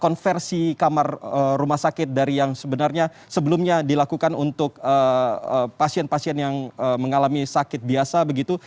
konversi kamar rumah sakit dari yang sebenarnya sebelumnya dilakukan untuk pasien pasien yang mengalami sakit biasa begitu